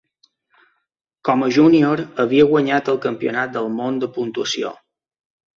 Com a júnior, havia guanyat el campionat del món de puntuació.